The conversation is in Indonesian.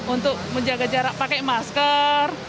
untuk menjaga jarak pakai masker